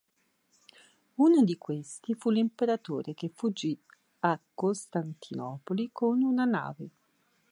Uno di questi fu l'imperatore che fuggì a Costantinopoli con una nave.